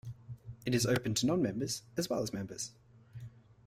It is open to non-members as well as members.